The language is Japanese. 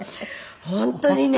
本当にね。